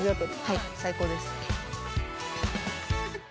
はい最高です。